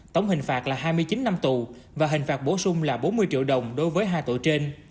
tổng hình phạt là hai mươi chín năm tù và hình phạt bổ sung là bốn mươi triệu đồng đối với hai tội trên